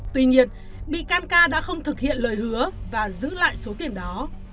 tuy nhiên bị can ca đã không thực hiện lời hứa và giữ lại số tiền đó